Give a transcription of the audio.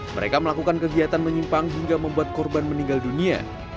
mereka melakukan kegiatan menyimpang hingga membuat korban meninggal dunia